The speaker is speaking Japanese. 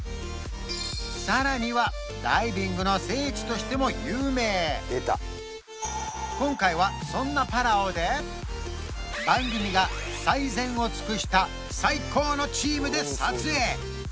さらにはダイビングの聖地としても有名今回は番組が最善を尽くした最高のチームで撮影！